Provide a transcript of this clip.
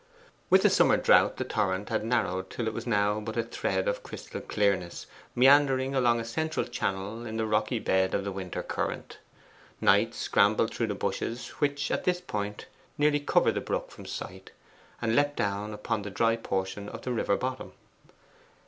With the summer drought the torrent had narrowed till it was now but a thread of crystal clearness, meandering along a central channel in the rocky bed of the winter current. Knight scrambled through the bushes which at this point nearly covered the brook from sight, and leapt down upon the dry portion of the river bottom.